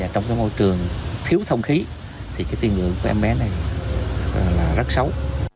trong môi trường thiếu thông khí thì tiên lượng của em bé này rất xấu